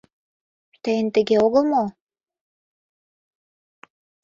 Тыйын тыге огыл мо?..